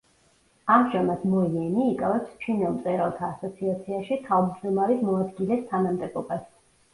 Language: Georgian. ამჟამად მო იენი იკავებს ჩინელ მწერალთა ასოციაციაში თავჯდომარის მოადგილეს თანამდებობას.